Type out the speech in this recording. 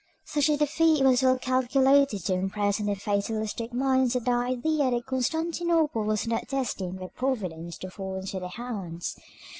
Such a defeat was well calculated to impress on their fatalistic minds the idea that Constantinople was not destined by providence to fall into their hands.